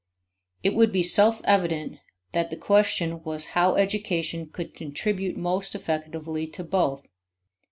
It would be self evident that the question was how education could contribute most effectively to both.